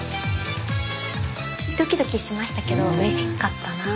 ドキドキしましたけどうれしかったな。